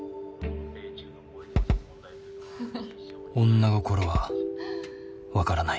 女心はわからない。